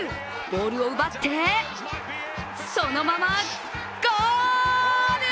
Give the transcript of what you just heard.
ボールを奪ってそのままゴール！